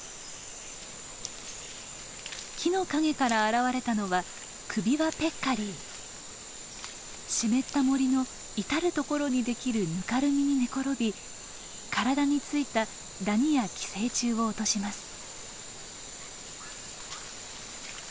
木の陰から現れたのは湿った森の至る所に出来るぬかるみに寝転び体に付いたダニや寄生虫を落とします。